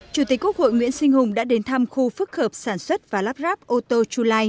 chủ tịch quốc hội nguyễn sinh hùng đã đến thăm khu phức hợp sản xuất và lắp ráp ô tô chu lai